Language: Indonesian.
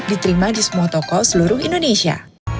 diterima di semua toko seluruh indonesia